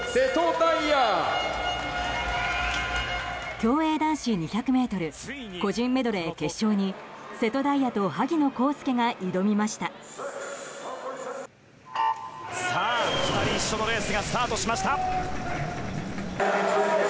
競泳男子２００ｍ個人メドレー決勝に瀬戸大也と萩野公介が挑みました。